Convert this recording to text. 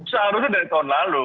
seharusnya dari tahun lalu